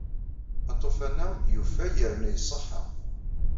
Aṭufan-a yufay yerna iṣeḥḥa.